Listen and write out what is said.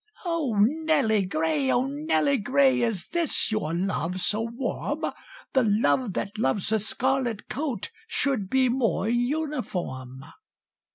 "O, Nelly Gray! O, Nelly Gray! Is this your love so warm? The love that loves a scarlet coat Should be more uniform!"